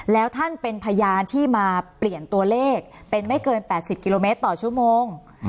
แล้วท่านเป็นพยานที่มาเปลี่ยนตัวเลขเป็นไม่เกิน๘๐กิโลเมตรต่อชั่วโมง